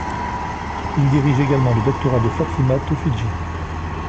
Il dirige également le doctorat de Fatima Tofighi.